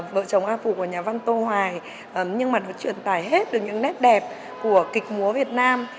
vợ chồng a phụ của nhà văn tô hoài nhưng mà nó truyền tải hết được những nét đẹp của kịch múa việt nam